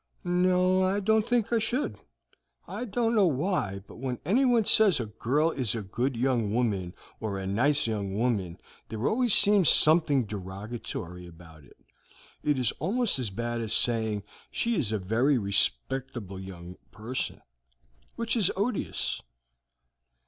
"No, I don't think I should. I don't know why, but when anyone says a girl is a good young woman or a nice young woman, there always seems something derogatory about it; it is almost as bad as saying she is a very respectable young person, which is odious."